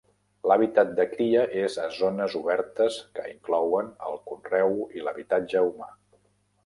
L'hàbitat de cria és a zones obertes que inclouen el conreu i l'habitatge humà.